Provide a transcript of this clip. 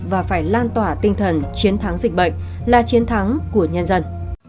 và phải lan tỏa tinh thần chiến thắng dịch bệnh là chiến thắng của nhân dân